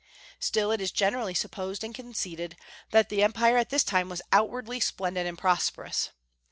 Still, it is generally supposed and conceded that the Empire at this time was outwardly splendid and prosperous.